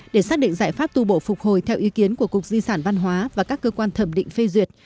để xác định giải pháp tu bổ phục hồi theo ý kiến của cục di sản văn hóa và các cơ quan thẩm định phê duyệt